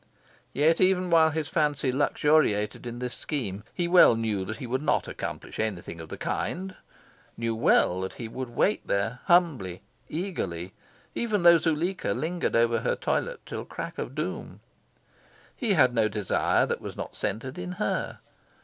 Yet, even while his fancy luxuriated in this scheme, he well knew that he would not accomplish anything of the kind knew well that he would wait here humbly, eagerly, even though Zuleika lingered over her toilet till crack o' doom. He had no desire that was not centred in her.